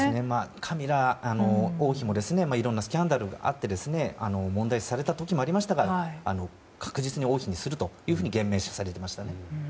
カミラ王妃もいろんなスキャンダルがあって問題視された時もありましたが確実に王妃にすると言明されていました。